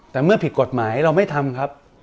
แต่เมื่อผิดกฎหมายเราไม่ทำครับ